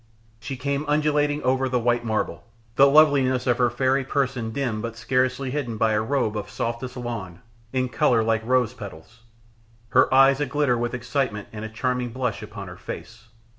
She came undulating over the white marble, the loveliness of her fairy person dimmed but scarcely hidden by a robe of softest lawn in colour like rose petals, her eyes aglitter with excitement and a charming blush upon her face.